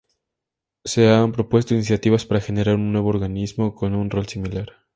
Se han propuesto iniciativas para generar un nuevo organismo con un rol similar.